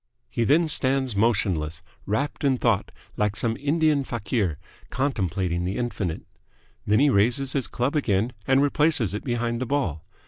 He then stands motionless, wrapped in thought, like some Indian fakir contemplating the infinite. Then he raises his club again and replaces it behind the ball.